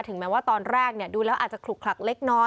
แม้ว่าตอนแรกดูแล้วอาจจะขลุกขลักเล็กน้อย